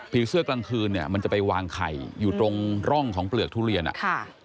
เสื้อกลางคืนเนี่ยมันจะไปวางไข่อยู่ตรงร่องของเปลือกทุเรียนอ่ะค่ะ